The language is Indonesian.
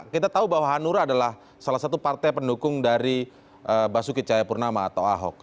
kita tahu bahwa hanura adalah salah satu partai pendukung dari basuki cahayapurnama atau ahok